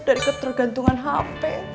dari ketergantungan hp